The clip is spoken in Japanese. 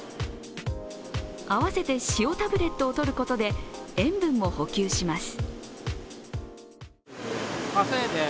併せて塩タブレットをとることで塩分も補給します。